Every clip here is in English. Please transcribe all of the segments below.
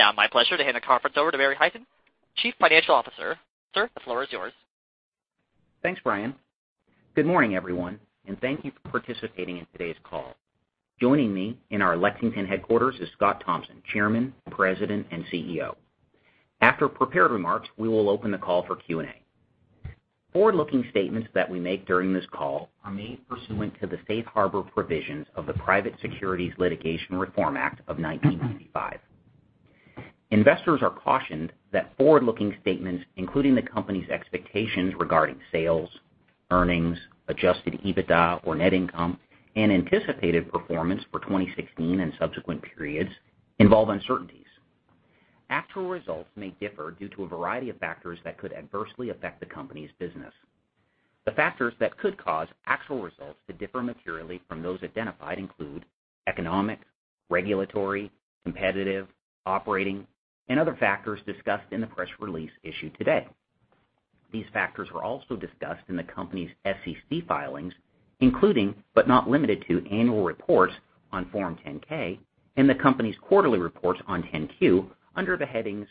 It's now my pleasure to hand the conference over to Barry Hytinen, Chief Financial Officer. Sir, the floor is yours. Thanks, Brian. Good morning, everyone. Thank you for participating in today's call. Joining me in our Lexington headquarters is Scott Thompson, Chairman, President, and CEO. After prepared remarks, we will open the call for Q&A. Forward-looking statements that we make during this call are made pursuant to the safe harbor provisions of the Private Securities Litigation Reform Act of 1995. Investors are cautioned that forward-looking statements, including the company's expectations regarding sales, earnings, adjusted EBITDA or net income, anticipated performance for 2016 and subsequent periods involve uncertainties. Actual results may differ due to a variety of factors that could adversely affect the company's business. The factors that could cause actual results to differ materially from those identified include economic, regulatory, competitive, operating, and other factors discussed in the press release issued today. These factors were also discussed in the company's SEC filings, including, but not limited to, annual reports on Form 10-K and the company's quarterly reports on 10-Q under the headings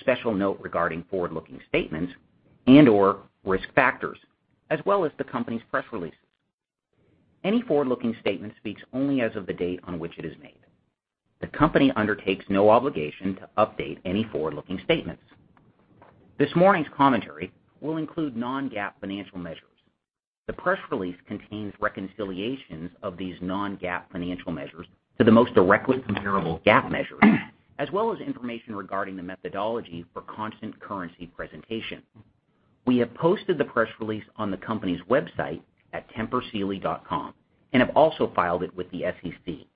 "Special Note Regarding Forward-Looking Statements" and/or "Risk Factors," as well as the company's press releases. Any forward-looking statement speaks only as of the date on which it is made. The company undertakes no obligation to update any forward-looking statements. This morning's commentary will include non-GAAP financial measures. The press release contains reconciliations of these non-GAAP financial measures to the most directly comparable GAAP measures, as well as information regarding the methodology for constant currency presentation. We have posted the press release on the company's website at tempursealy.com and have also filed it with the SEC.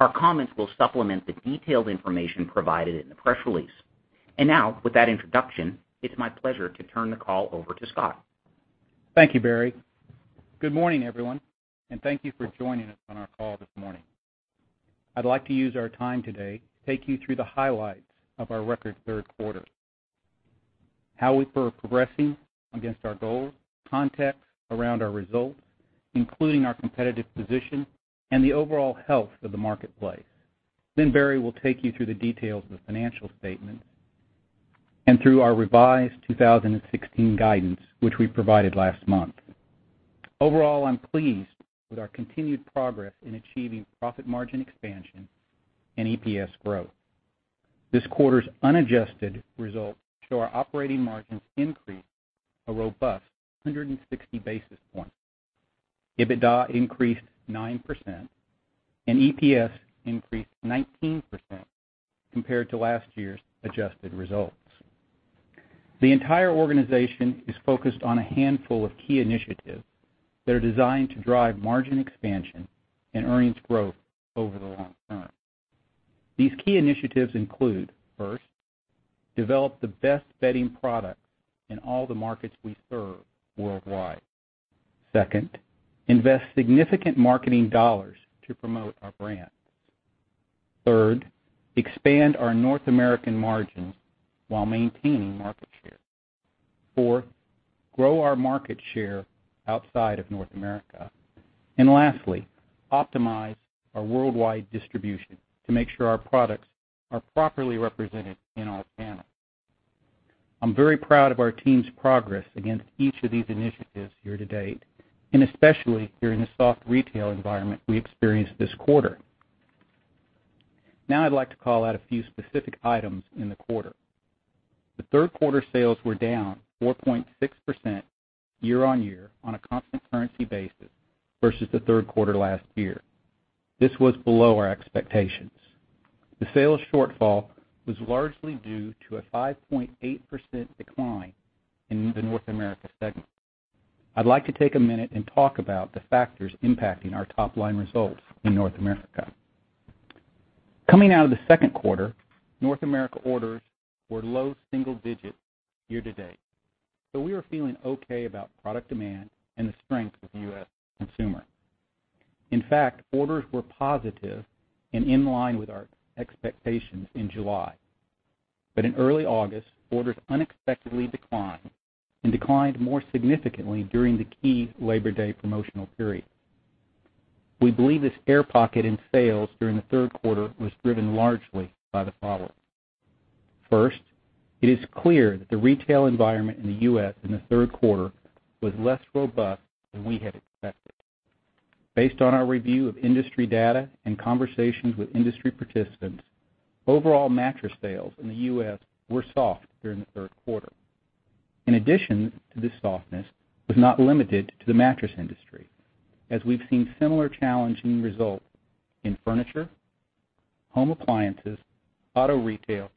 Our comments will supplement the detailed information provided in the press release. Now, with that introduction, it's my pleasure to turn the call over to Scott. Thank you, Barry Hytinen. Good morning, everyone, and thank you for joining us on our call this morning. I'd like to use our time today to take you through the highlights of our record third quarter, how we are progressing against our goals, context around our results, including our competitive position, and the overall health of the marketplace. Barry Hytinen will take you through the details of the financial statement and through our revised 2016 guidance, which we provided last month. Overall, I'm pleased with our continued progress in achieving profit margin expansion and EPS growth. This quarter's unadjusted results show our operating margins increased a robust 160 basis points. EBITDA increased 9% and EPS increased 19% compared to last year's adjusted results. The entire organization is focused on a handful of key initiatives that are designed to drive margin expansion and earnings growth over the long term. These key initiatives include: first, develop the best bedding products in all the markets we serve worldwide. Second, invest significant marketing dollars to promote our brands. Third, expand our North American margins while maintaining market share. Fourth, grow our market share outside of North America. Lastly, optimize our worldwide distribution to make sure our products are properly represented in all channels. I'm very proud of our team's progress against each of these initiatives year to date, and especially during the soft retail environment we experienced this quarter. Now I'd like to call out a few specific items in the quarter. The third quarter sales were down 4.6% year-over-year on a constant currency basis versus the third quarter last year. This was below our expectations. The sales shortfall was largely due to a 5.8% decline in the North America segment. I'd like to take a minute and talk about the factors impacting our top-line results in North America. Coming out of the second quarter, North America orders were low single digits year to date, so we were feeling okay about product demand and the strength of the U.S. consumer. In fact, orders were positive and in line with our expectations in July. In early August, orders unexpectedly declined and declined more significantly during the key Labor Day promotional period. We believe this air pocket in sales during the third quarter was driven largely by the following. First, it is clear that the retail environment in the U.S. in the third quarter was less robust than we had expected. Based on our review of industry data and conversations with industry participants, overall mattress sales in the U.S. were soft during the third quarter. In addition to this softness, was not limited to the mattress industry, as we've seen similar challenging results in furniture, home appliances, auto retail,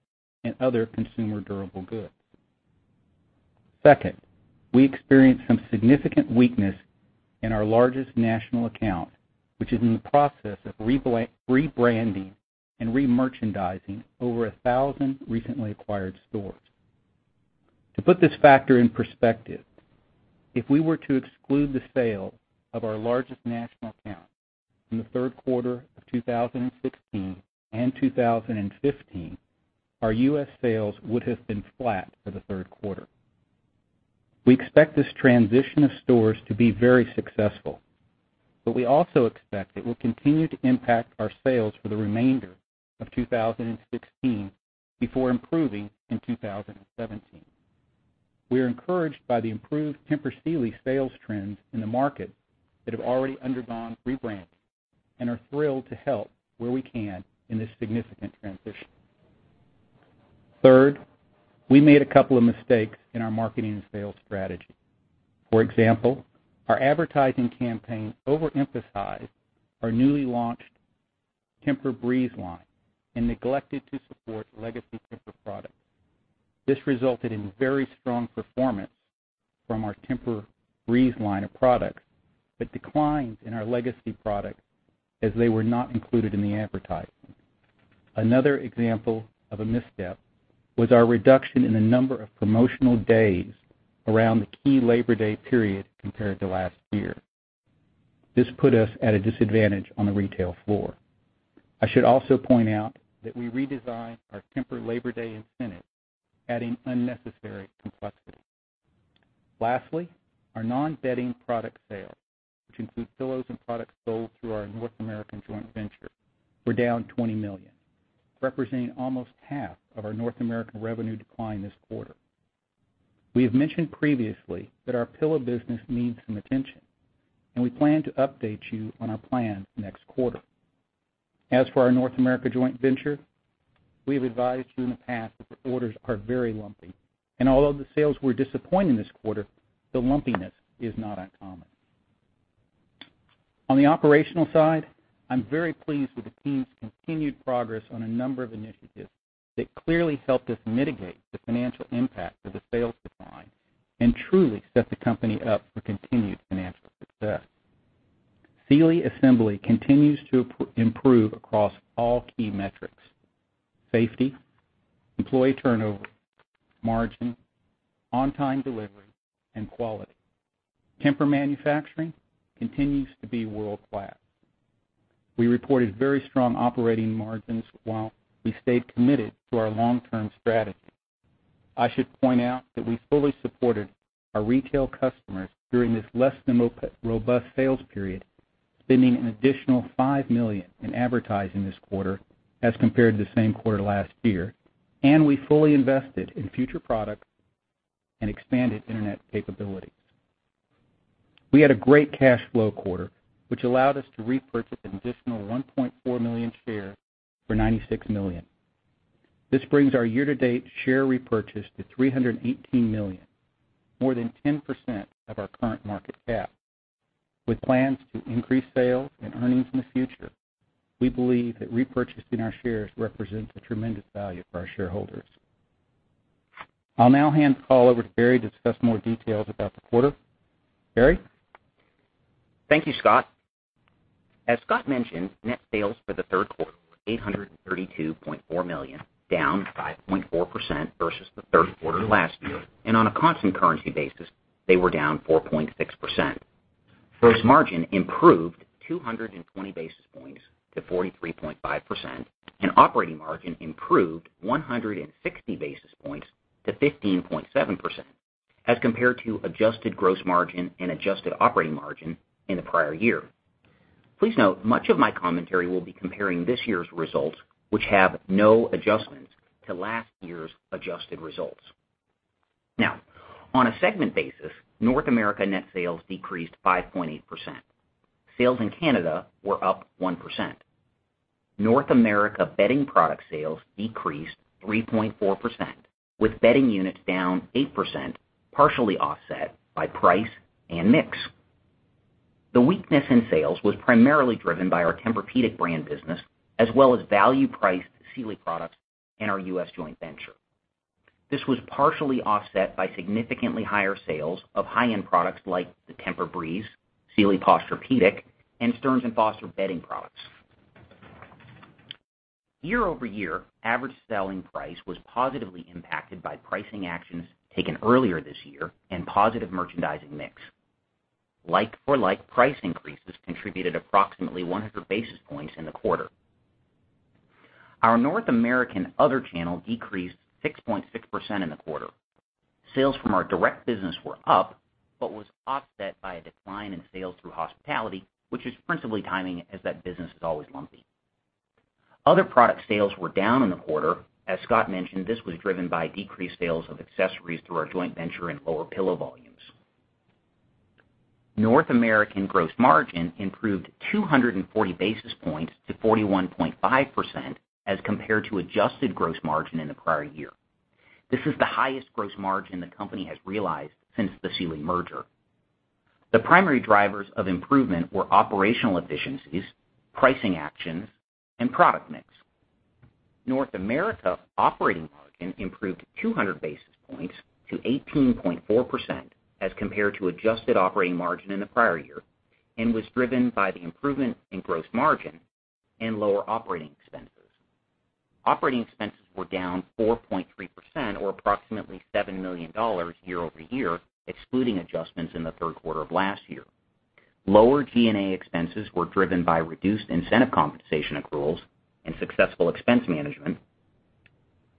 and other consumer durable goods. Second, we experienced some significant weakness in our largest national account, which is in the process of rebranding and remerchandising over 1,000 recently acquired stores. To put this factor in perspective, if we were to exclude the sale of our largest national account in the third quarter of 2016 and 2015, our U.S. sales would have been flat for the third quarter. We expect this transition of stores to be very successful, but we also expect it will continue to impact our sales for the remainder of 2016 before improving in 2017. We are encouraged by the improved Tempur Sealy sales trends in the market that have already undergone rebranding and are thrilled to help where we can in this significant transition. Third, we made a couple of mistakes in our marketing and sales strategy. For example, our advertising campaign overemphasized our newly launched TEMPUR-Breeze line and neglected to support legacy Tempur products. This resulted in very strong performance from our TEMPUR-Breeze line of products, but declines in our legacy products as they were not included in the advertising. Another example of a misstep was our reduction in the number of promotional days around the key Labor Day period compared to last year. This put us at a disadvantage on the retail floor. I should also point out that we redesigned our Tempur Labor Day incentive, adding unnecessary complexity. Lastly, our non-bedding product sales, which include pillows and products sold through our North American joint venture, were down $20 million, representing almost half of our North American revenue decline this quarter. We have mentioned previously that our pillow business needs some attention and we plan to update you on our plan next quarter. As for our North America joint venture, we have advised you in the past that the orders are very lumpy, and although the sales were disappointing this quarter, the lumpiness is not uncommon. On the operational side, I'm very pleased with the team's continued progress on a number of initiatives that clearly helped us mitigate the financial impact of the sales decline and truly set the company up for continued financial success. Sealy Assembly continues to improve across all key metrics: safety, employee turnover, margin, on-time delivery, and quality. Tempur manufacturing continues to be world-class. We reported very strong operating margins while we stayed committed to our long-term strategy. I should point out that we fully supported our retail customers during this less-than-robust sales period, spending an additional $5 million in advertising this quarter as compared to the same quarter last year, and we fully invested in future products and expanded internet capabilities. We had a great cash flow quarter, which allowed us to repurchase an additional 1.4 million shares for $96 million. This brings our year-to-date share repurchase to $318 million, more than 10% of our current market cap. With plans to increase sales and earnings in the future, we believe that repurchasing our shares represents a tremendous value for our shareholders. I'll now hand the call over to Barry to discuss more details about the quarter. Barry? Thank you, Scott. As Scott mentioned, net sales for the third quarter were $832.4 million, down 5.4% versus the third quarter last year. On a constant currency basis, they were down 4.6%. Gross margin improved 220 basis points to 43.5%, and operating margin improved 160 basis points to 15.7% as compared to adjusted gross margin and adjusted operating margin in the prior year. Please note, much of my commentary will be comparing this year's results, which have no adjustments to last year's adjusted results. On a segment basis, North America net sales decreased 5.8%. Sales in Canada were up 1%. North America bedding product sales decreased 3.4%, with bedding units down 8%, partially offset by price and mix. The weakness in sales was primarily driven by our Tempur-Pedic brand business, as well as value-priced Sealy products in our U.S. joint venture. This was partially offset by significantly higher sales of high-end products like the TEMPUR-Breeze, Sealy Posturepedic, and Stearns & Foster bedding products. Year-over-year, average selling price was positively impacted by pricing actions taken earlier this year and positive merchandising mix. Like-for-like price increases contributed approximately 100 basis points in the quarter. Our North American other channel decreased 6.6% in the quarter. Sales from our direct business were up, but was offset by a decline in sales through hospitality, which is principally timing as that business is always lumpy. Other product sales were down in the quarter. As Scott mentioned, this was driven by decreased sales of accessories through our joint venture and lower pillow volumes. North American gross margin improved 240 basis points to 41.5% as compared to adjusted gross margin in the prior year. This is the highest gross margin the company has realized since the Sealy merger. The primary drivers of improvement were operational efficiencies, pricing actions, and product mix. North America operating margin improved 200 basis points to 18.4% as compared to adjusted operating margin in the prior year and was driven by the improvement in gross margin and lower operating expenses. Operating expenses were down 4.3%, or approximately $7 million year-over-year, excluding adjustments in the third quarter of last year. Lower G&A expenses were driven by reduced incentive compensation accruals and successful expense management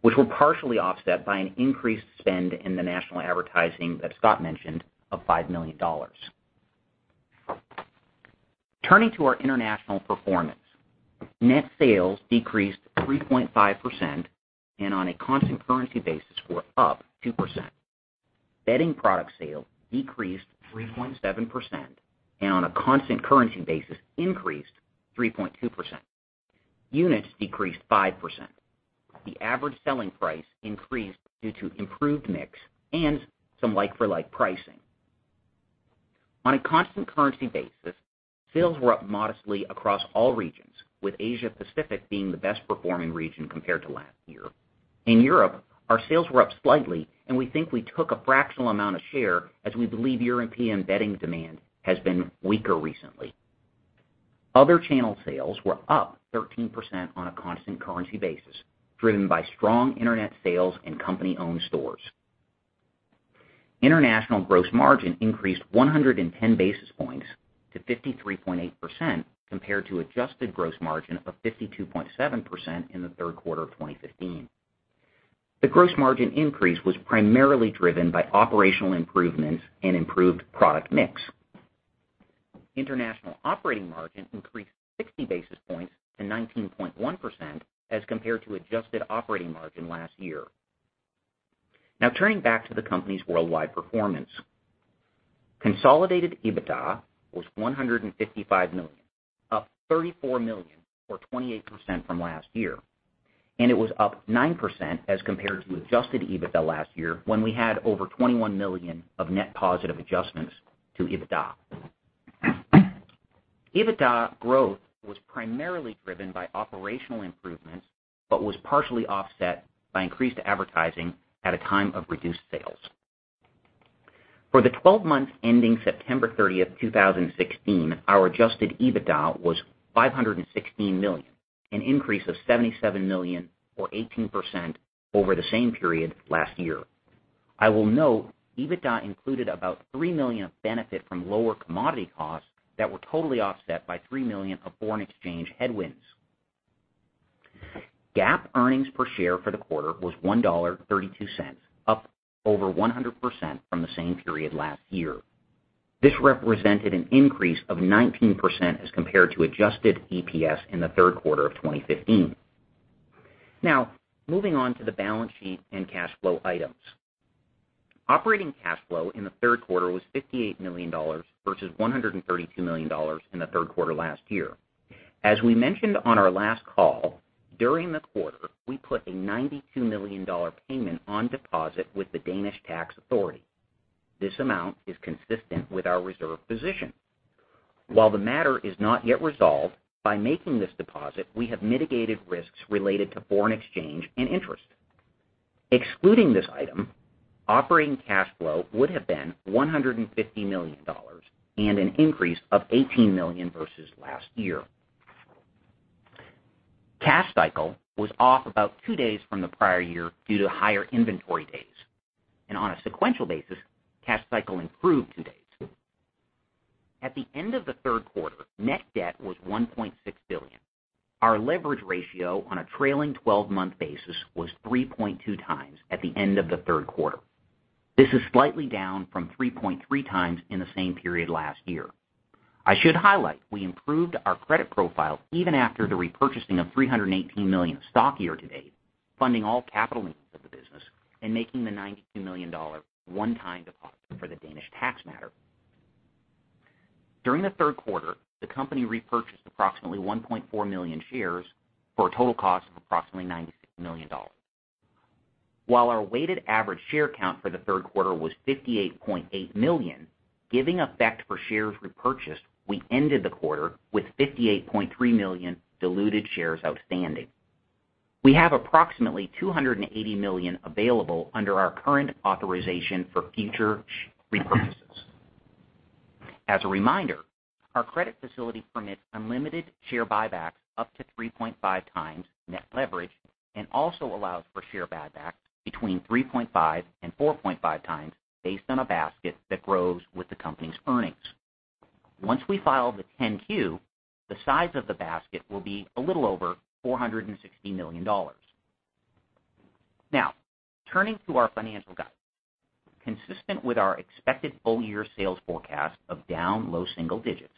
Which were partially offset by an increased spend in the national advertising that Scott mentioned of $5 million. Turning to our international performance. Net sales decreased 3.5%, and on a constant currency basis were up 2%. Bedding product sales decreased 3.7%, and on a constant currency basis, increased 3.2%. Units decreased 5%. The average selling price increased due to improved mix and some like-for-like pricing. On a constant currency basis, sales were up modestly across all regions, with Asia Pacific being the best performing region compared to last year. In Europe, our sales were up slightly, and we think we took a fractional amount of share as we believe European bedding demand has been weaker recently. Other channel sales were up 13% on a constant currency basis, driven by strong internet sales in company-owned stores. International gross margin increased 110 basis points to 53.8%, compared to adjusted gross margin of 52.7% in the third quarter of 2015. The gross margin increase was primarily driven by operational improvements and improved product mix. International operating margin increased 60 basis points to 19.1%, as compared to adjusted operating margin last year. Now turning back to the company's worldwide performance. Consolidated EBITDA was $155 million, up $34 million or 28% from last year, and it was up 9% as compared to adjusted EBITDA last year when we had over $21 million of net positive adjustments to EBITDA. EBITDA growth was primarily driven by operational improvements but was partially offset by increased advertising at a time of reduced sales. For the 12 months ending September 30, 2016, our adjusted EBITDA was $516 million, an increase of $77 million or 18% over the same period last year. I will note, EBITDA included about $3 million of benefit from lower commodity costs that were totally offset by $3 million of foreign exchange headwinds. GAAP earnings per share for the quarter was $1.32, up over 100% from the same period last year. This represented an increase of 19% as compared to adjusted EPS in the third quarter of 2015. Moving on to the balance sheet and cash flow items. Operating cash flow in the third quarter was $58 million versus $132 million in the third quarter last year. As we mentioned on our last call, during the quarter, we put a $92 million payment on deposit with the Danish Tax Authority. This amount is consistent with our reserve position. While the matter is not yet resolved, by making this deposit, we have mitigated risks related to foreign exchange and interest. Excluding this item, operating cash flow would have been $150 million and an increase of $18 million versus last year. Cash cycle was off about two days from the prior year due to higher inventory days. On a sequential basis, cash cycle improved two days. At the end of the third quarter, net debt was $1.6 billion. Our leverage ratio on a trailing 12-month basis was 3.2 times at the end of the third quarter. This is slightly down from 3.3 times in the same period last year. I should highlight, we improved our credit profile even after the repurchasing of $318 million stock year-to-date, funding all capital needs of the business, and making the $92 million one-time deposit for the Danish tax matter. During the third quarter, the company repurchased approximately 1.4 million shares for a total cost of approximately $96 million. While our weighted average share count for the third quarter was 58.8 million, giving effect for shares repurchased, we ended the quarter with 58.3 million diluted shares outstanding. We have approximately $280 million available under our current authorization for future repurchases. As a reminder, our credit facility permits unlimited share buybacks up to 3.5 times net leverage and also allows for share buybacks between 3.5 and 4.5 times based on a basket that grows with the company's earnings. Once we file the 10-Q, the size of the basket will be a little over $460 million. Turning to our financial guidance. Consistent with our expected full-year sales forecast of down low single digits,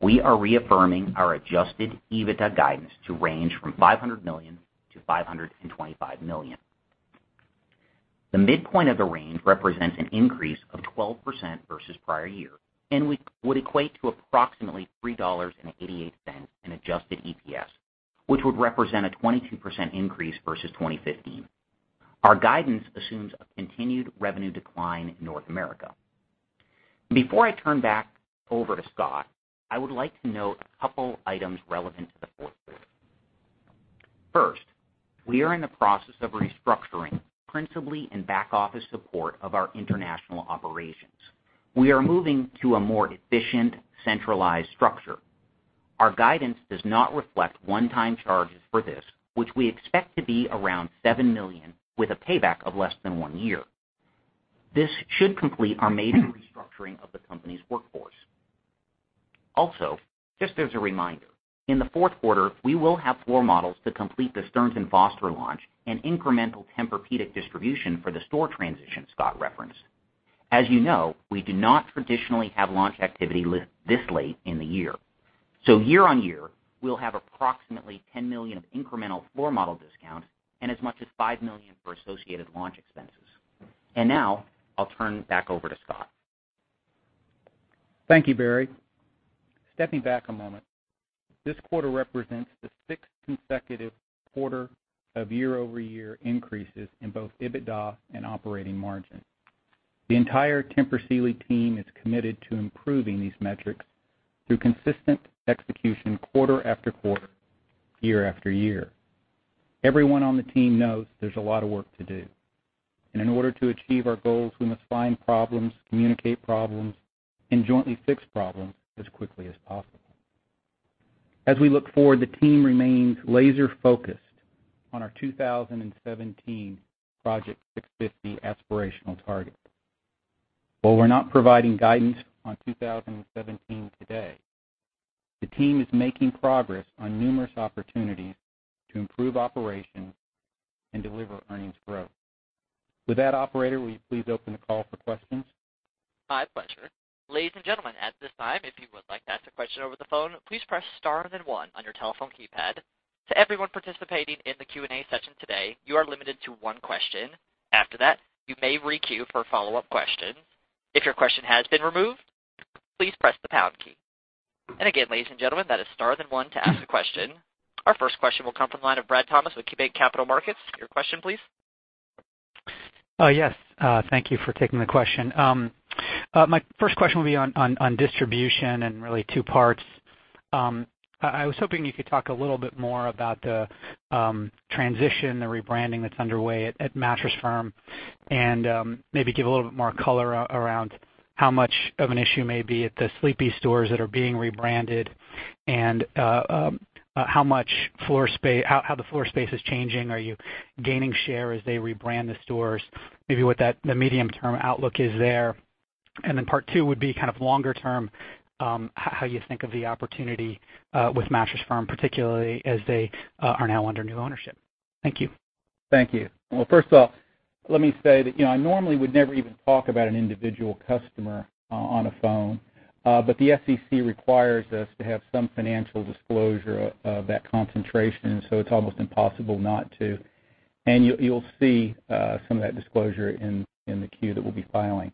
we are reaffirming our adjusted EBITDA guidance to range from $500 million-$525 million. The midpoint of the range represents an increase of 12% versus prior year and would equate to approximately $3.88 in adjusted EPS, which would represent a 22% increase versus 2015. Our guidance assumes a continued revenue decline in North America. Before I turn back over to Scott, I would like to note a couple items relevant to the fourth quarter. First, we are in the process of restructuring, principally in back office support of our international operations. We are moving to a more efficient, centralized structure. Our guidance does not reflect one-time charges for this, which we expect to be around $7 million with a payback of less than one year. This should complete our major restructuring of the company's workforce. Also, just as a reminder, in the fourth quarter, we will have floor models to complete the Stearns & Foster launch and incremental Tempur-Pedic distribution for the store transition Scott referenced. As you know, we do not traditionally have launch activity this late in the year. Year-over-year, we'll have approximately $10 million of incremental floor model discount and as much as $5 million for associated launch expenses. Now I'll turn it back over to Scott. Thank you, Barry. Stepping back a moment, this quarter represents the sixth consecutive quarter of year-over-year increases in both EBITDA and operating margin. The entire Tempur Sealy team is committed to improving these metrics through consistent execution quarter after quarter, year after year. Everyone on the team knows there's a lot of work to do, and in order to achieve our goals, we must find problems, communicate problems, and jointly fix problems as quickly as possible. As we look forward, the team remains laser-focused on our 2017 Project 650 aspirational target. While we're not providing guidance on 2017 today, the team is making progress on numerous opportunities to improve operations and deliver earnings growth. With that, operator, will you please open the call for questions? My pleasure. Ladies and gentlemen, at this time, if you would like to ask a question over the phone, please press star and then one on your telephone keypad. To everyone participating in the Q&A session today, you are limited to one question. After that, you may re-queue for a follow-up question. If your question has been removed, please press the pound key. Again, ladies and gentlemen, that is star then one to ask a question. Our first question will come from the line of Brad Thomas with KeyBanc Capital Markets. Your question please. Yes. Thank you for taking the question. My first question will be on distribution and really two parts. I was hoping you could talk a little bit more about the transition, the rebranding that's underway at Mattress Firm and maybe give a little bit more color around how much of an issue may be at the Sleepy's stores that are being rebranded and how the floor space is changing. Are you gaining share as they rebrand the stores? Maybe what the medium-term outlook is there. Then part two would be kind of longer term, how you think of the opportunity, with Mattress Firm, particularly as they are now under new ownership. Thank you. Thank you. First off, let me say that I normally would never even talk about an individual customer on a phone, but the SEC requires us to have some financial disclosure of that concentration, it's almost impossible not to. You'll see some of that disclosure in the Q that we'll be filing.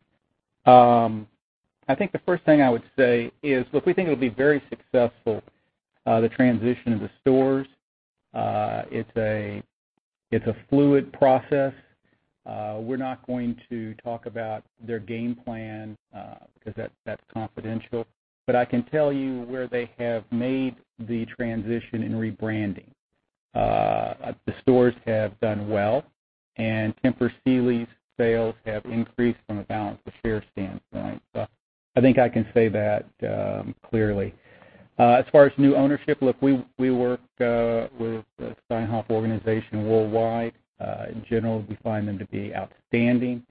I think the first thing I would say is, look, we think it'll be very successful, the transition of the stores. It's a fluid process. We're not going to talk about their game plan, because that's confidential. I can tell you where they have made the transition in rebranding. The stores have done well and Tempur Sealy's sales have increased from a balance to share standpoint. I think I can say that clearly. As far as new ownership, look, we work with the Steinhoff organization worldwide. In general, we find them to be outstanding,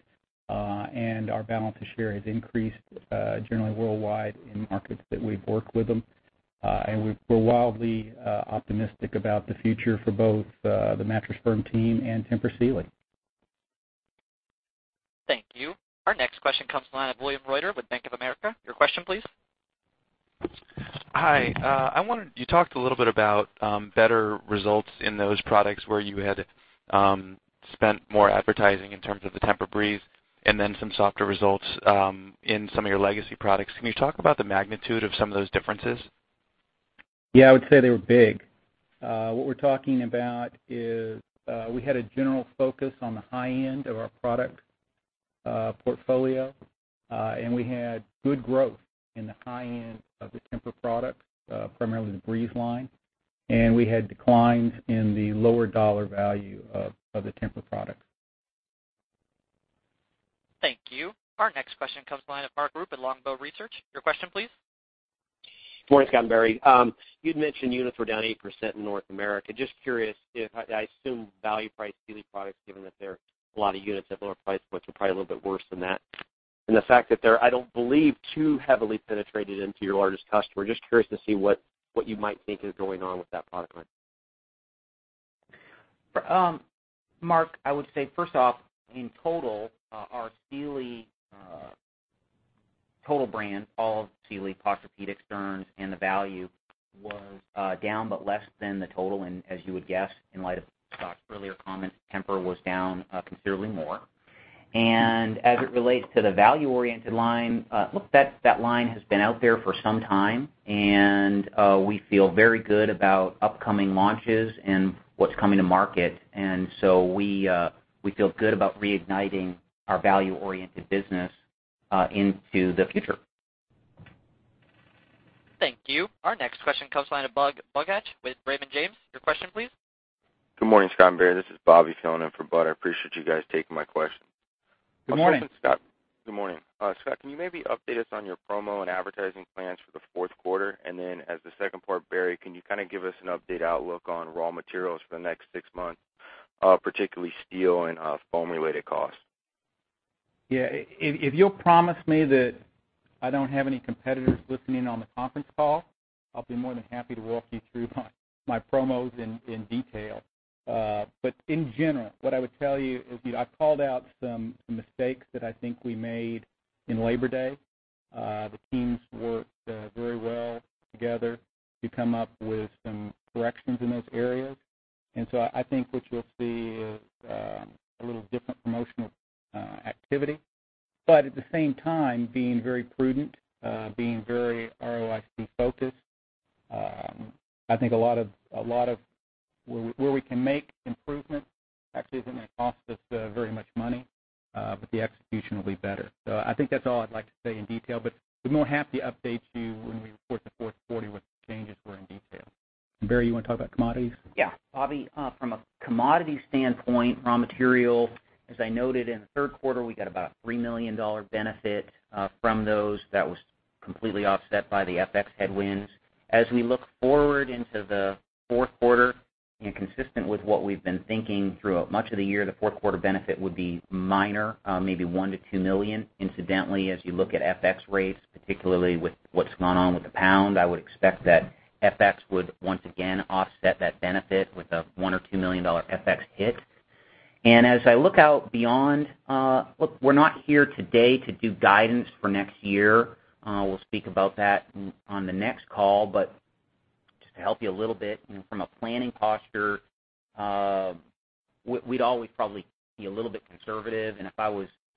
and our balance to share has increased, generally worldwide in markets that we've worked with them. We're wildly optimistic about the future for both the Mattress Firm team and Tempur Sealy.. Thank you. Our next question comes from the line of William Reuter with Bank of America. Your question, please. Hi. You talked a little bit about better results in those products where you had spent more advertising in terms of the TEMPUR-Breeze and then some softer results in some of your legacy products. Can you talk about the magnitude of some of those differences? Yeah, I would say they were big. What we're talking about is we had a general focus on the high end of our product portfolio, and we had good growth in the high end of the Tempur products, primarily the Breeze line. We had declines in the lower dollar value of the Tempur products. Thank you. Our next question comes to the line of Mark Rupe at Longbow Research. Your question, please. Morning, Scott and Barry. You'd mentioned units were down 8% in North America. Just curious if, I assume value price Sealy products, given that there are a lot of units at lower price points, are probably a little bit worse than that. The fact that they're, I don't believe, too heavily penetrated into your largest customer. Just curious to see what you might think is going on with that product line. Mark, I would say first off, in total, our Sealy total brand, all of Sealy, Posturepedic, Stearns, and the value was down, but less than the total. As you would guess, in light of Scott's earlier comments, Tempur was down considerably more. As it relates to the value-oriented line, look, that line has been out there for some time, and we feel very good about upcoming launches and what's coming to market. So we feel good about reigniting our value-oriented business into the future. Thank you. Our next question comes to the line of Bud Bugatch with Raymond James. Your question, please. Good morning, Scott and Barry. This is Bobby filling in for Bud. I appreciate you guys taking my question. Good morning. Scott. Good morning. Scott, can you maybe update us on your promo and advertising plans for the fourth quarter? Then as the second part, Barry, can you kind of give us an update outlook on raw materials for the next six months, particularly steel and foam-related costs? Yeah. If you'll promise me that I don't have any competitors listening on the conference call, I'll be more than happy to walk you through my promos in detail. In general, what I would tell you is I've called out some mistakes that I think we made in Labor Day. The teams worked very well together to come up with some corrections in those areas. So I think what you'll see is a little different promotional activity, but at the same time, being very prudent, being very ROIC-focused. I think a lot of where we can make improvements actually isn't going to cost us very much money, but the execution will be better. I think that's all I'd like to say in detail, but be more than happy to update you when we report the fourth quarter what the changes were in detail. Barry, you want to talk about commodities? Yeah. Bobby, from a commodity standpoint, raw material, as I noted in the third quarter, we got about a $3 million benefit from those that was completely offset by the FX headwinds. As we look forward into the fourth quarter and consistent with what we've been thinking throughout much of the year, the fourth quarter benefit would be minor, maybe $1 million-$2 million. Incidentally, as you look at FX rates, particularly with what's gone on with the pound, I would expect that FX would once again offset that benefit with a $1 million or $2 million FX hit. As I look out beyond Look, we're not here today to do guidance for next year. We'll speak about that on the next call. Just to help you a little bit, from a planning posture, we'd always probably be a little bit conservative.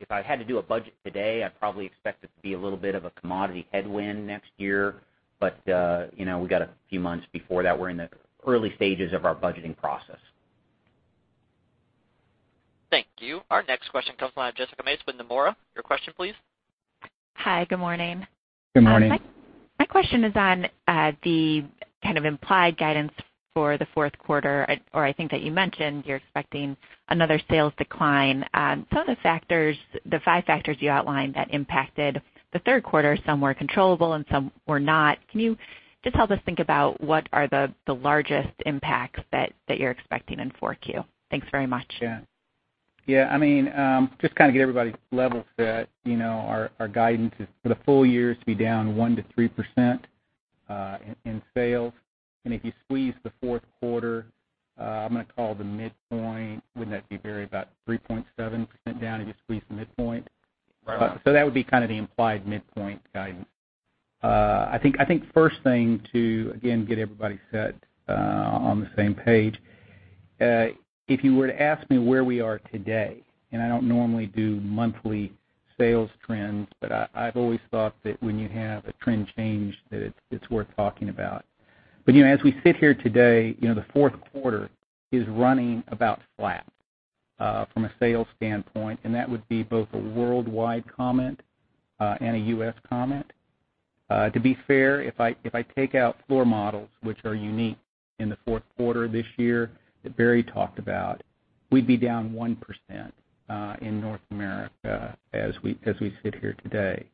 If I had to do a budget today, I'd probably expect it to be a little bit of a commodity headwind next year. We got a few months before that. We're in the early stages of our budgeting process. Thank you. Our next question comes live, Jessica Mace with Nomura. Your question please. Hi, good morning. Good morning. My question is on the kind of implied guidance for the fourth quarter, or I think that you mentioned you're expecting another sales decline. Some of the factors, the five factors you outlined that impacted the third quarter, some were controllable and some were not. Can you just help us think about what are the largest impacts that you're expecting in 4Q? Thanks very much. Yeah. Just to kind of get everybody level set, our guidance is for the full year is to be down 1%-3% in sales. If you squeeze the fourth quarter, I'm going to call the midpoint, wouldn't that be very about 3.7% down if you squeeze the midpoint? Right. That would be kind of the implied midpoint guidance. I think first thing to, again, get everybody set on the same page. If you were to ask me where we are today, I don't normally do monthly sales trends, but I've always thought that when you have a trend change, it's worth talking about. As we sit here today, the fourth quarter is running about flat from a sales standpoint, and that would be both a worldwide comment and a U.S. comment. To be fair, if I take out floor models, which are unique in the fourth quarter this year that Barry talked about, we'd be down 1% in North America as we sit here today.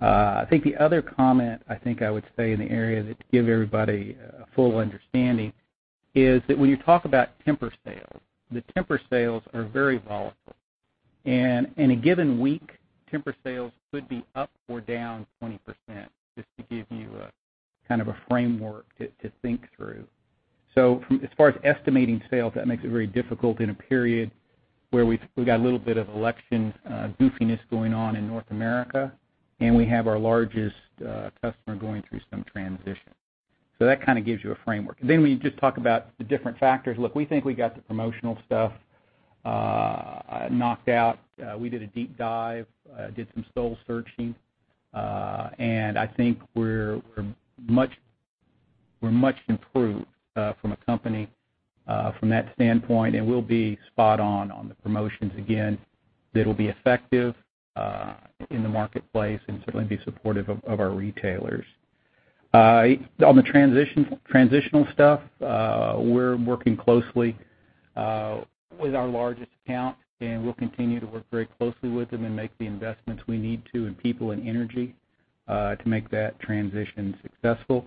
I think the other comment I would say in the area that give everybody a full understanding is that when you talk about Tempur sales, the Tempur sales are very volatile. In a given week, Tempur sales could be up or down 20%, just to give you a kind of a framework to think through. As far as estimating sales, that makes it very difficult in a period where we've got a little bit of election goofiness going on in North America, and we have our largest customer going through some transition. That kind of gives you a framework. Then when you just talk about the different factors, look, we think we got the promotional stuff knocked out. We did a deep dive, did some soul searching, I think we're much improved from a company from that standpoint, we'll be spot on the promotions again, that'll be effective in the marketplace and certainly be supportive of our retailers. On the transitional stuff, we're working closely with our largest account, we'll continue to work very closely with them and make the investments we need to in people and energy to make that transition successful.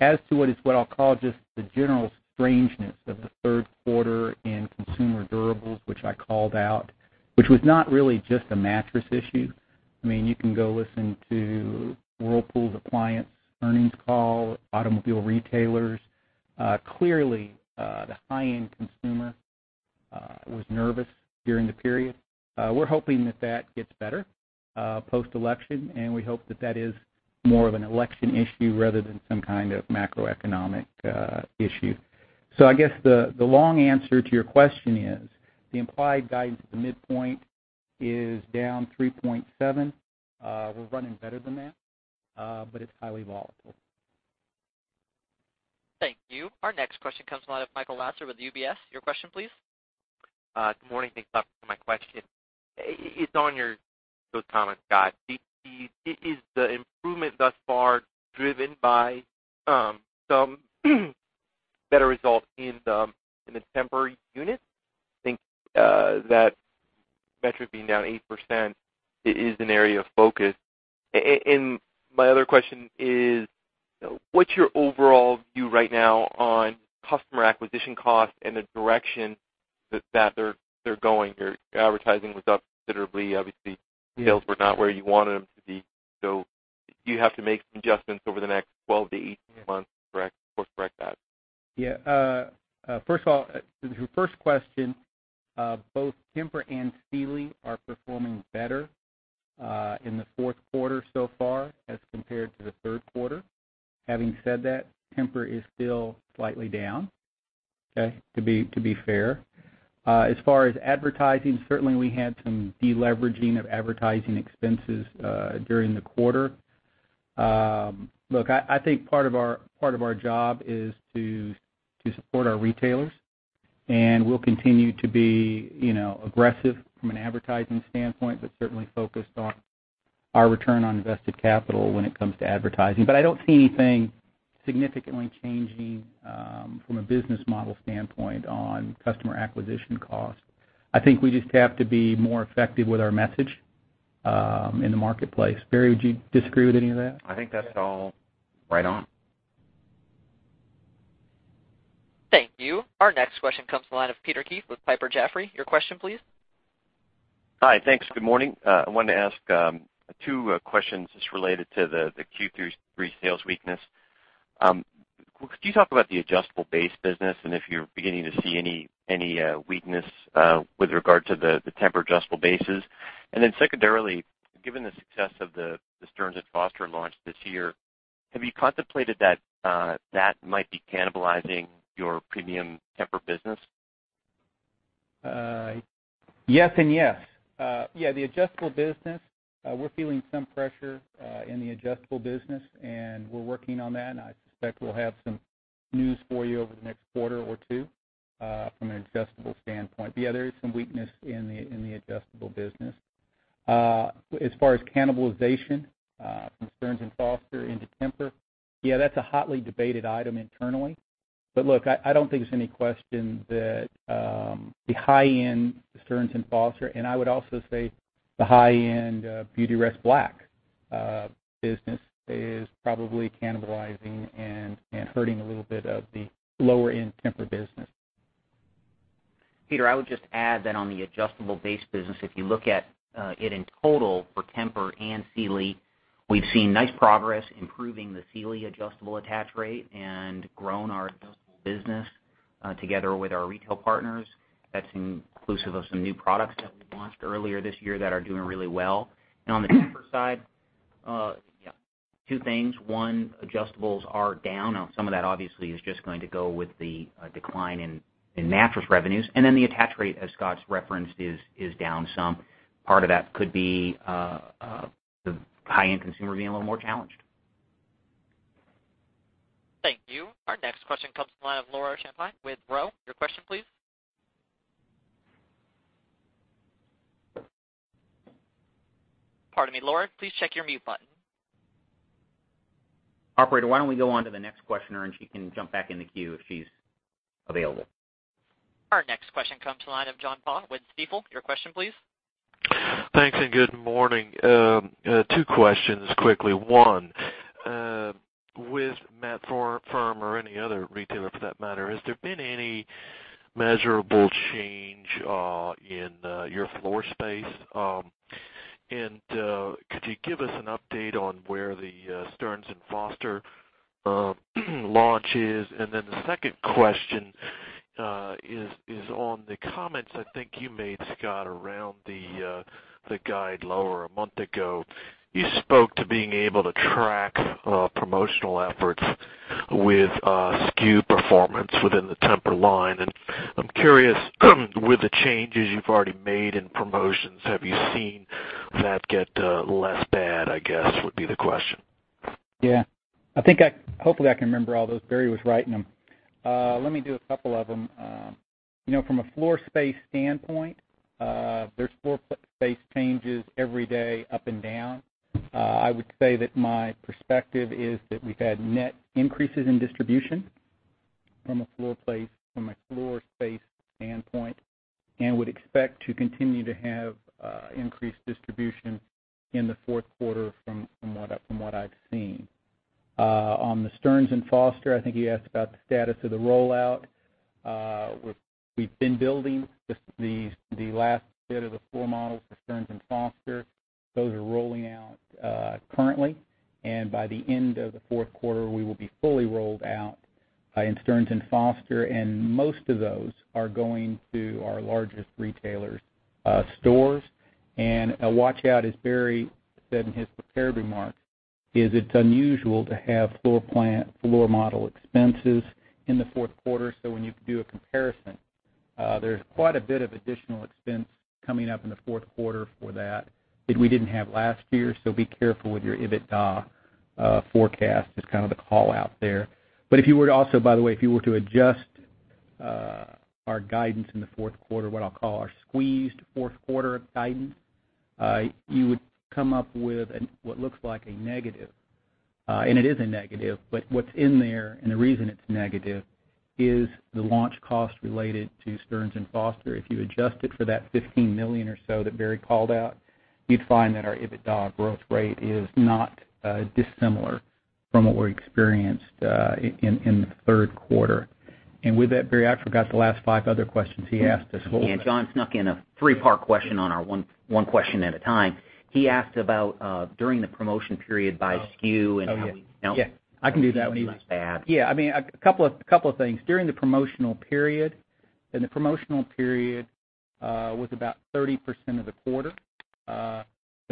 As to what is what I'll call just the general strangeness of the third quarter in consumer durables, which I called out, which was not really just a mattress issue. You can go listen to Whirlpool's appliance earnings call, automobile retailers. Clearly, the high-end consumer was nervous during the period. We're hoping that that gets better post-election, we hope that that is more of an election issue rather than some kind of macroeconomic issue. I guess the long answer to your question is the implied guidance at the midpoint is down 3.7%. We're running better than that, it's highly volatile. Thank you. Our next question comes from Michael Lasser with UBS. Your question, please. Good morning. Thanks a lot for my question. It's on your comments, Scott. Is the improvement thus far driven by some better results in the Tempur units? I think that metric being down 8% is an area of focus. My other question is: what's your overall view right now on customer acquisition costs and the direction that they're going? Your advertising was up considerably. Yes sales were not where you wanted them to be, you have to make some adjustments over the next 12 to 18 months. Yes to correct that. Yeah. First of all, to the first question, both Tempur and Sealy are performing better in the fourth quarter so far as compared to the third quarter. Having said that, Tempur is still slightly down, to be fair. As far as advertising, certainly we had some de-leveraging of advertising expenses during the quarter. Look, I think part of our job is to support our retailers, and we'll continue to be aggressive from an advertising standpoint, but certainly focused on our return on invested capital when it comes to advertising. I don't see anything significantly changing from a business model standpoint on customer acquisition costs. I think we just have to be more effective with our message in the marketplace. Barry, would you disagree with any of that? I think that's all right on. Thank you. Our next question comes from the line of Peter Keith with Piper Jaffray. Your question, please. Hi. Thanks. Good morning. I wanted to ask two questions just related to the Q3 sales weakness. Could you talk about the adjustable base business and if you're beginning to see any weakness with regard to the Tempur adjustable bases? Secondarily, given the success of the Stearns & Foster launch this year, have you contemplated that that might be cannibalizing your premium Tempur business? Yes and yes. The adjustable business, we're feeling some pressure in the adjustable business, we're working on that, I suspect we'll have some news for you over the next quarter or two from an adjustable standpoint. Yeah, there is some weakness in the adjustable business. As far as cannibalization from Stearns & Foster into Tempur, yeah, that's a hotly debated item internally. Look, I don't think there's any question that the high-end Stearns & Foster, I would also say the high-end Beautyrest Black business is probably cannibalizing and hurting a little bit of the lower-end Tempur business. Peter, I would just add that on the adjustable base business, if you look at it in total for Tempur and Sealy, we've seen nice progress improving the Sealy adjustable attach rate and grown our adjustable business together with our retail partners. That's inclusive of some new products that we launched earlier this year that are doing really well. On the Tempur side, two things. One, adjustables are down. Now, some of that obviously is just going to go with the decline in mattress revenues. Then the attach rate, as Scott's referenced, is down some. Part of that could be the high-end consumer being a little more challenged. Thank you. Our next question comes from the line of Laura Champine with Roe. Your question, please. Pardon me, Laura, please check your mute button. Operator, why don't we go on to the next questioner, she can jump back in the queue if she's available. Our next question comes to the line of John Baugh with Stifel. Your question, please. Thanks, good morning. Two questions quickly. One, with Mattress Firm or any other retailer for that matter, has there been any measurable change in your floor space? Could you give us an update on where the Stearns & Foster launch is? The second question is on the comments I think you made, Scott, around the guide lower a month ago. You spoke to being able to track promotional efforts with SKU performance within the Tempur line. I'm curious, with the changes you've already made in promotions, have you seen that get less bad, I guess, would be the question. Yeah. Hopefully, I can remember all those. Barry was writing them. Let me do a couple of them. From a floor space standpoint, there's floor space changes every day up and down. I would say that my perspective is that we've had net increases in distribution from a floor space standpoint and would expect to continue to have increased distribution in the fourth quarter from what I've seen. On the Stearns & Foster, I think you asked about the status of the rollout. We've been building the last bit of the floor models for Stearns & Foster. Those are rolling out currently, and by the end of the fourth quarter, we will be fully rolled out in Stearns & Foster, and most of those are going to our largest retailers' stores. A watch-out, as Barry said in his prepared remarks, is it's unusual to have floor plan, floor model expenses in the fourth quarter. When you do a comparison, there's quite a bit of additional expense coming up in the fourth quarter for that that we didn't have last year. Be careful with your EBITDA forecast, is kind of the call-out there. Also, by the way, if you were to adjust our guidance in the fourth quarter, what I'll call our squeezed fourth quarter of guidance you would come up with what looks like a negative And it is a negative, but what's in there and the reason it's negative is the launch cost related to Stearns & Foster. If you adjust it for that $15 million or so that Barry Hytinen called out, you'd find that our EBITDA growth rate is not dissimilar from what we experienced in the third quarter. With that, Barry Hytinen, I forgot the last five other questions he asked us. Yeah. John snuck in a three-part question on our one question at a time. He asked about during the promotion period by SKU and how we- Oh, yeah. I can do that one. -we did or bad. Yeah. A couple of things. The promotional period was about 30% of the quarter.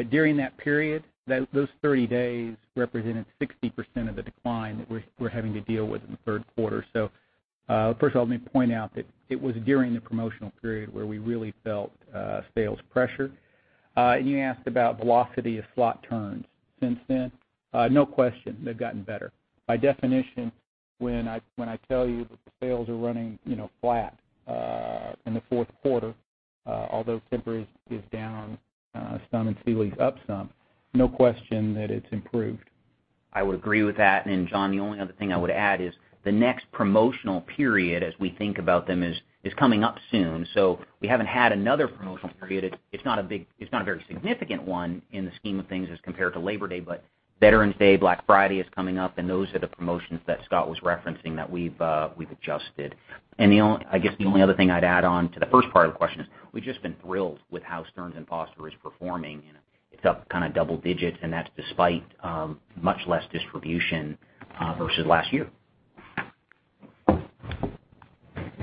During that period, those 30 days represented 60% of the decline that we're having to deal with in the third quarter. First of all, let me point out that it was during the promotional period where we really felt sales pressure. You asked about velocity of slot turns since then. No question, they've gotten better. By definition, when I tell you that the sales are running flat in the fourth quarter, although Tempur is down some and Sealy's up some, no question that it's improved. I would agree with that. John, the only other thing I would add is the next promotional period, as we think about them, is coming up soon. We haven't had another promotional period. It's not a very significant one in the scheme of things as compared to Labor Day. Veterans Day, Black Friday is coming up, and those are the promotions that Scott was referencing that we've adjusted. I guess the only other thing I'd add on to the first part of the question is we've just been thrilled with how Stearns & Foster is performing. It's up double digits, and that's despite much less distribution versus last year.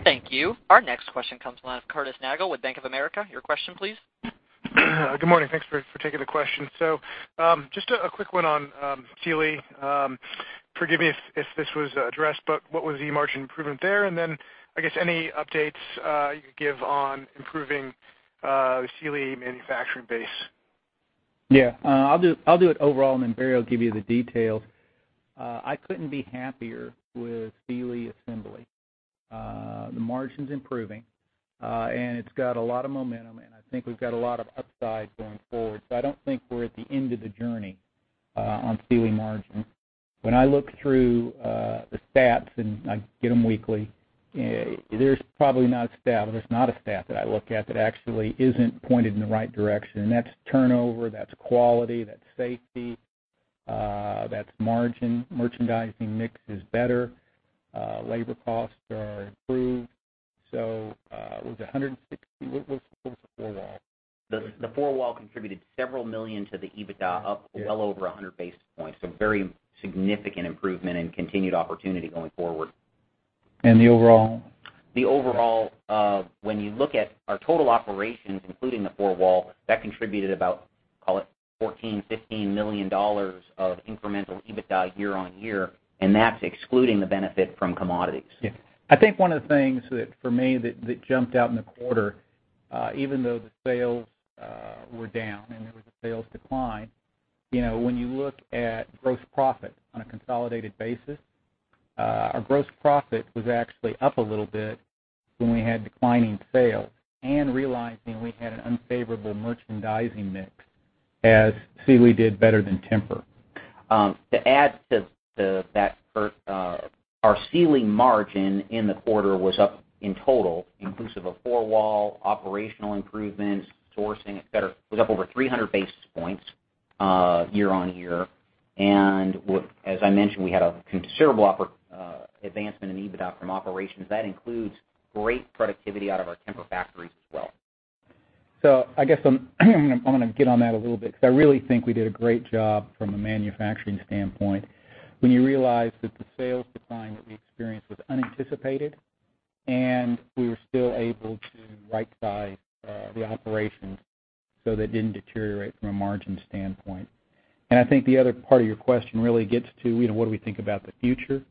Thank you. Our next question comes from Curtis Nagle with Bank of America. Your question, please. Good morning. Thanks for taking the question. Just a quick one on Sealy. Forgive me if this was addressed, what was the margin improvement there? Then I guess any updates you could give on improving the Sealy manufacturing base. Yeah. I'll do it overall. Then Barry Hytinen will give you the details. I couldn't be happier with Sealy assembly. The margin's improving, it's got a lot of momentum, I think we've got a lot of upside going forward. I don't think we're at the end of the journey on Sealy margin. When I look through the stats, I get them weekly, there's probably not a stat that I look at that actually isn't pointed in the right direction, that's turnover, that's quality, that's safety, that's margin. Merchandising mix is better. Labor costs are improved. Was it 160? What was the 4-wall? The 4-wall contributed several million to the EBITDA, up well over 100 basis points. Very significant improvement and continued opportunity going forward. The overall? The overall, when you look at our total operations, including the 4-wall, that contributed about, call it $14 million, $15 million of incremental EBITDA year-on-year, that's excluding the benefit from commodities. Yeah. I think one of the things that, for me, that jumped out in the quarter, even though the sales were down and there was a sales decline, when you look at gross profit on a consolidated basis, our gross profit was actually up a little bit when we had declining sales and realizing we had an unfavorable merchandising mix as Sealy did better than Tempur. To add to that, our Sealy margin in the quarter was up in total, inclusive of 4-wall, operational improvements, sourcing, et cetera. It was up over 300 basis points year-on-year. As I mentioned, we had a considerable advancement in EBITDA from operations. That includes great productivity out of our Tempur factories as well. I guess I'm going to get on that a little bit because I really think we did a great job from a manufacturing standpoint when you realize that the sales decline that we experienced was unanticipated, and we were still able to right size the operation so that it didn't deteriorate from a margin standpoint. I think the other part of your question really gets to what do we think about the future.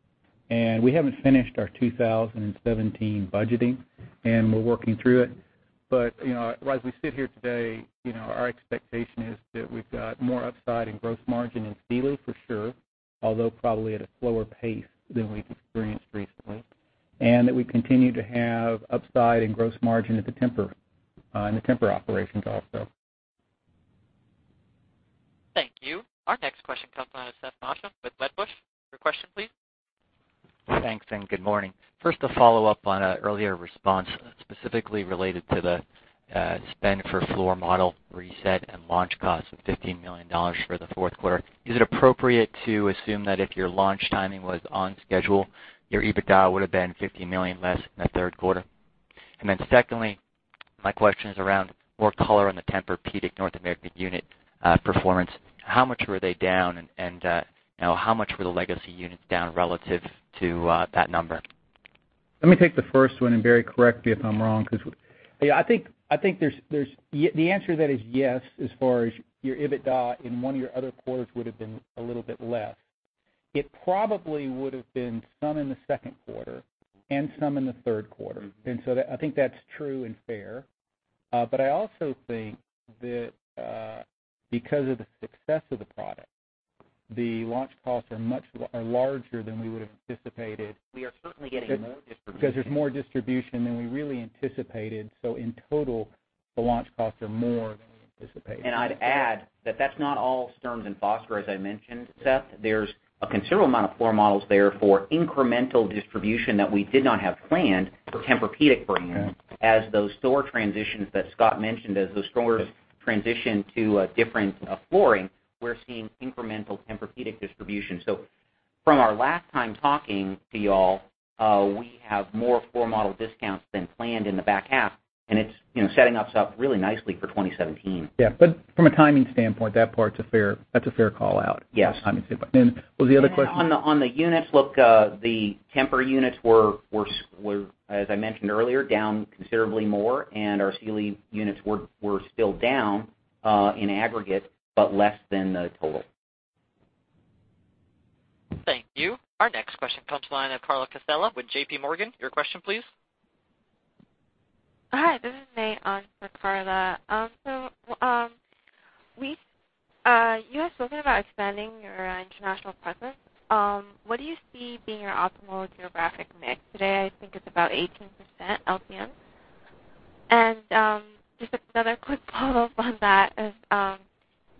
We haven't finished our 2017 budgeting, and we're working through it. As we sit here today our expectation is that we've got more upside in gross margin in Sealy for sure, although probably at a slower pace than we've experienced recently, and that we continue to have upside in gross margin at the Tempur operations also. Thank you. Our next question comes from Seth Basham with Wedbush. Your question, please. Thanks. Good morning. First, a follow-up on an earlier response specifically related to the spend for floor model reset and launch cost of $15 million for the fourth quarter. Is it appropriate to assume that if your launch timing was on schedule, your EBITDA would have been $15 million less than the third quarter? Secondly, my question is around more color on the Tempur-Pedic North American unit performance. How much were they down, and how much were the legacy units down relative to that number? Let me take the first one, and Barry, correct me if I'm wrong. I think the answer to that is yes, as far as your EBITDA in one of your other quarters would have been a little bit less. It probably would have been some in the second quarter and some in the third quarter. I think that's true and fair. I also think that because of the success of the product, the launch costs are larger than we would have anticipated- We are certainly getting more distribution because there's more distribution than we really anticipated. In total, the launch costs are more than we anticipated. I'd add that's not all Stearns & Foster, as I mentioned, Seth. There's a considerable amount of floor models there for incremental distribution that we did not have planned for Tempur-Pedic brands. Okay. As those store transitions that Scott mentioned, as those stores transition to a different flooring, we're seeing incremental Tempur-Pedic distribution. From our last time talking to you all, we have more floor model discounts than planned in the back half, and it's setting us up really nicely for 2017. Yeah. From a timing standpoint, that part's a fair call-out. Yes. Timing standpoint. What was the other question? On the units, look, the Tempur units were, as I mentioned earlier, down considerably more, and our Sealy units were still down in aggregate, but less than the total. Thank you. Our next question comes from the line of Carla Casella with JP Morgan. Your question, please. Hi, this is Mei on for Carla. You guys spoken about expanding your international presence. What do you see being your optimal geographic mix? Today, I think it's about 18% LTM. Just another quick follow-up on that is,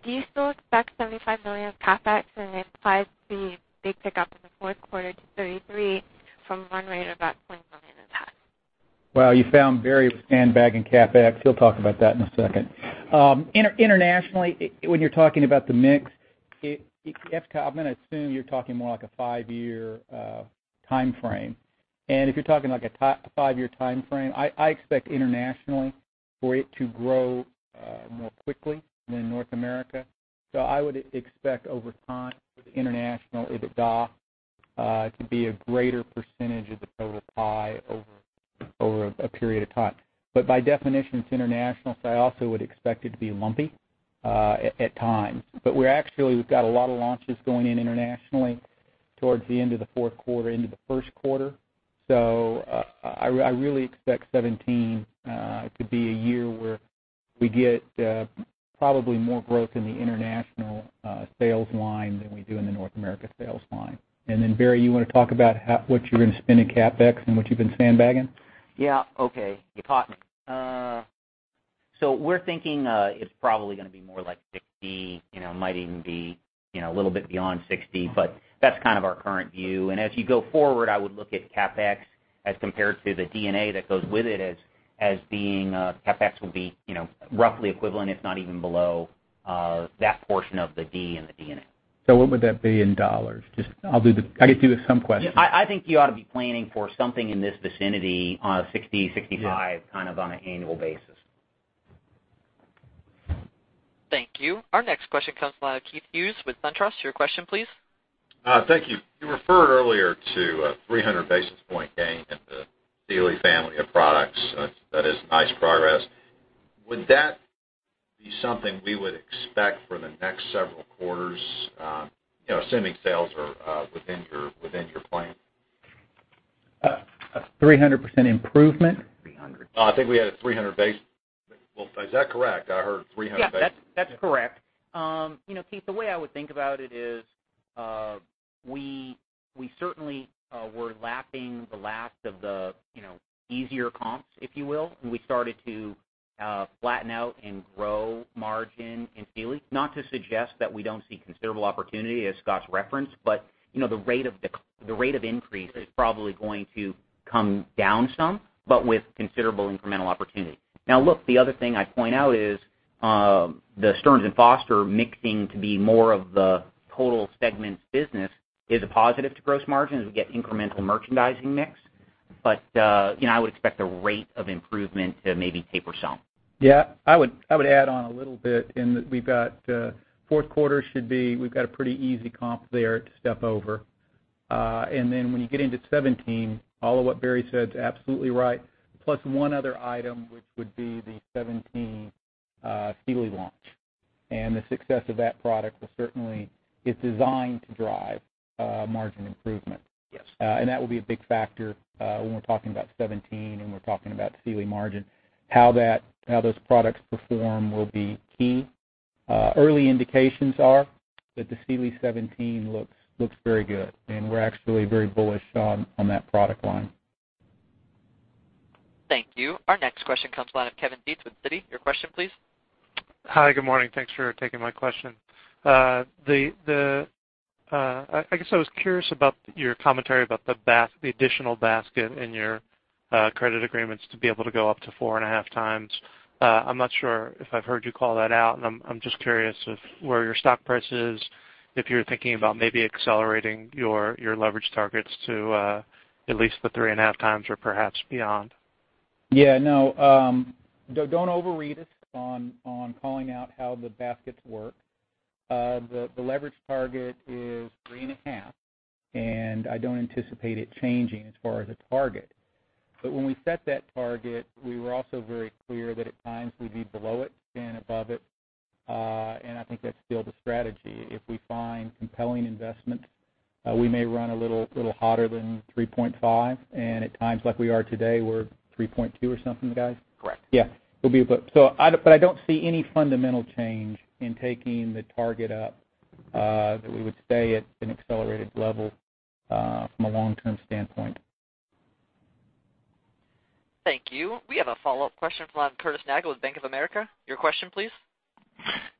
do you still expect $75 million of CapEx and it applies the big pickup in the fourth quarter to $33 from run rate about $20 million and half? You found Barry sandbagging CapEx. He'll talk about that in a second. When you're talking about the mix, [Ifka], I'm going to assume you're talking more like a five-year timeframe. If you're talking like a five-year timeframe, I expect internationally for it to grow more quickly than North America. I would expect over time with international, EBITDA to be a greater percentage of the total pie over a period of time. By definition, it's international, so I also would expect it to be lumpy at times. We're actually, we've got a lot of launches going in internationally towards the end of the fourth quarter into the first quarter. I really expect 2017 to be a year where we get probably more growth in the international sales line than we do in the North America sales line. Barry, you want to talk about what you're going to spend in CapEx and what you've been sandbagging? Yeah. Okay. You caught me. We're thinking it's probably going to be more like $60, might even be a little bit beyond $60, but that's kind of our current view. As you go forward, I would look at CapEx as compared to the D&A that goes with it as being CapEx will be roughly equivalent, if not even below, that portion of the D in the D&A. What would that be in dollars? Just, I could do with some questions. I think you ought to be planning for something in this vicinity on a $60, $65- Yeah kind of on an annual basis. Thank you. Our next question comes from Keith Hughes with SunTrust. Your question, please. Thank you. You referred earlier to a 300 basis point gain in the Sealy family of products. That is nice progress. Would that be something we would expect for the next several quarters, assuming sales are within your plan? A 300% improvement? 300. I think we had a 300 basis. Is that correct? I heard 300 basis. That's correct. Keith, the way I would think about it is, we certainly were lapping the last of the easier comps, if you will, and we started to flatten out and grow margin in Sealy. Not to suggest that we don't see considerable opportunity as Scott's referenced, the rate of increase is probably going to come down some, with considerable incremental opportunity. Look, the other thing I'd point out is, the Stearns & Foster mixing to be more of the total segment business is a positive to gross margin as we get incremental merchandising mix. I would expect the rate of improvement to maybe taper some. I would add on a little bit in that we've got fourth quarter should be, we've got a pretty easy comp there to step over. When you get into 2017, all of what Barry said's absolutely right. Plus one other item, which would be the 2017 Sealy launch. The success of that product will certainly, it's designed to drive margin improvement. Yes. That will be a big factor when we're talking about 2017 and we're talking about Sealy margin. How those products perform will be key. Early indications are that the Sealy 2017 looks very good, and we're actually very bullish on that product line. Thank you. Our next question comes to the line of Kevin Detta with Citi. Your question, please. Hi, good morning. Thanks for taking my question. I guess I was curious about your commentary about the additional basket in your credit agreements to be able to go up to 4.5 times. I'm not sure if I've heard you call that out, and I'm just curious with where your stock price is, if you're thinking about maybe accelerating your leverage targets to at least the 3.5 times or perhaps beyond. Yeah, no. Don't overread us on calling out how the baskets work. The leverage target is 3.5, I don't anticipate it changing as far as a target. When we set that target, we were also very clear that at times we'd be below it and above it, I think that's still the strategy. If we find compelling investment, we may run a little hotter than 3.5. At times like we are today, we're 3.2 or something, guys? Correct. Yeah. I don't see any fundamental change in taking the target up, that we would stay at an accelerated level from a long-term standpoint. Thank you. We have a follow-up question from Curtis Nagle with Bank of America. Your question, please.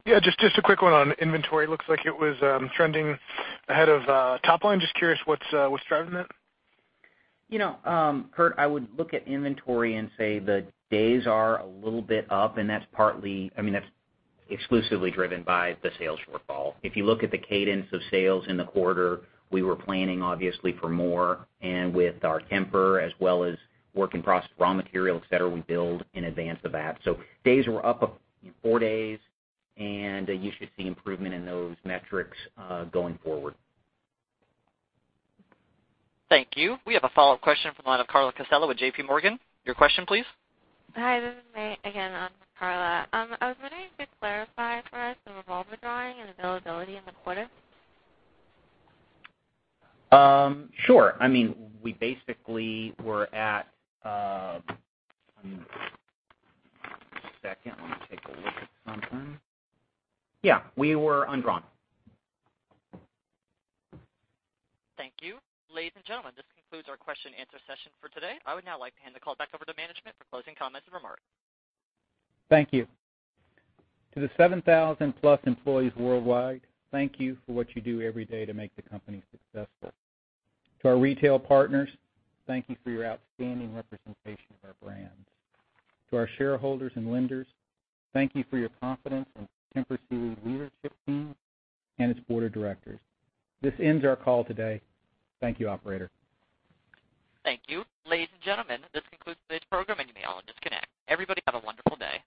Yeah, just a quick one on inventory. Looks like it was trending ahead of top line. Just curious what's driving that? Curt, I would look at inventory and say the days are a little bit up, and that's partly, I mean, that's exclusively driven by the sales shortfall. If you look at the cadence of sales in the quarter, we were planning obviously for more, and with our Tempur as well as working across raw material, et cetera, we build in advance of that. Days were up four days, and you should see improvement in those metrics going forward. Thank you. We have a follow-up question from the line of Carla Casella with JP Morgan. Your question, please. Hi, this is Mei again on for Carla. I was wondering if you'd clarify for us the revolver drawing and availability in the quarter? Sure. I mean, we basically were at One second. Let me take a look at something. Yeah. We were undrawn. Thank you. Ladies and gentlemen, this concludes our question and answer session for today. I would now like to hand the call back over to management for closing comments and remarks. Thank you. To the 7,000 plus employees worldwide, thank you for what you do every day to make the company successful. To our retail partners, thank you for your outstanding representation of our brands. To our shareholders and lenders, thank you for your confidence in Tempur Sealy leadership team and its board of directors. This ends our call today. Thank you, operator. Thank you. Ladies and gentlemen, this concludes today's program, and you may all disconnect. Everybody have a wonderful day.